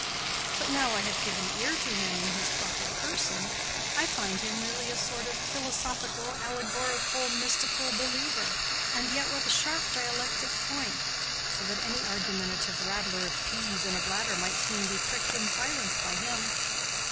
But now I have given ear to him in his proper person, I find him really a sort of philosophical allegorical mystical believer, and yet with a sharp dialectic point, so that any argumentative rattler of peas in a bladder might soon be pricked in silence by him.